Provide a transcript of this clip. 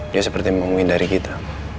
dia seperti menghindari kita